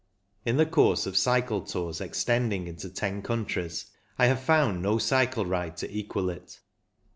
In the course of cycle tours extend ing into ten countries, I have found no cycle ride to equal it.